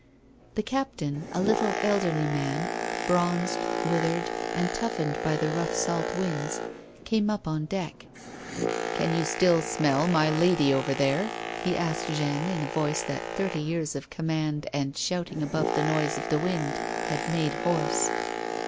The captain, a little elderly man, bronzed, withered, and toughened by the rough salt winds, came up on deck. " Can you smell my lady over there 1 " he asked Jeanne, in a voice that thirty yeai's of command, and shouting above the noise of the wind, had made hoarse.